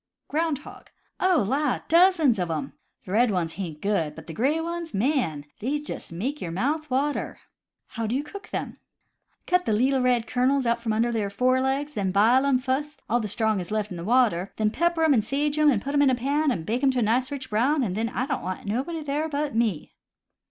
"Ground hog." "O la! dozens of 'em. The red ones hain't good, but the gray ones! man, they'd jest make yer mouth water!" "How do you cook them.^" "Cut the leetle red kernels out from under their fore legs; then bile 'em, fust — all the strong is left in the water — then pepper 'em, and sage 'em, and put 'em in a pan, and bake 'em to a nice rich brown, and — then I don't want nobody there but me!"